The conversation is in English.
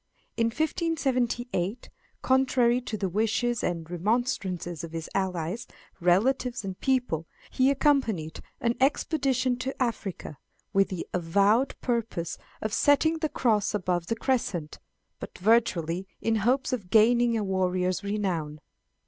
In 1578, contrary to the wishes and remonstrances of his allies, relatives, and people, he accompanied an expedition to Africa, with the avowed purpose of setting the Cross above the Crescent, but virtually in hopes of gaining a warrior's renown.